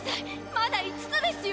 まだ五つですよ。